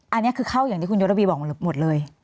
อันนี้คือเข้าอย่างที่คุณยศระวีบอกหมดเลย